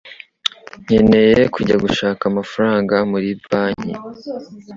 Nkeneye kujya gushaka amafaranga muri banki